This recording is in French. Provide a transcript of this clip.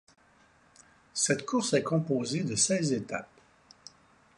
Cette course est composée de seize étapes.